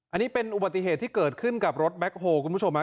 อันนี้เป็นอุบัติเหตุที่เกิดขึ้นกับรถแบ็คโฮลคุณผู้ชมฮะ